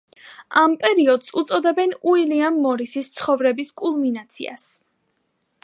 ამ პერიოდს უწოდებენ უილიამ მორისის ცხოვრების კულმინაციას.